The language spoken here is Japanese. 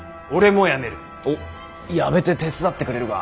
お辞めて手伝ってくれるか？